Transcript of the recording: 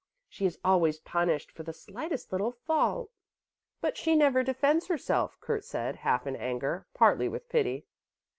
She is always punished for the slightest little fault." "But she never defends herself," Kurt said, half in anger, partly with pity.